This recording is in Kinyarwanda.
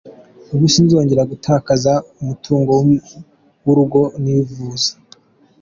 Ubu sinzongera gutakaza umutungo w’urugo nivuza”.